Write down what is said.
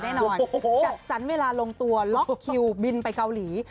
แน่นอนจัดสรรเวลาลงตัวล็อกคิวบินไปเกาหลี